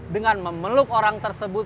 dengan memeluk orang tersebut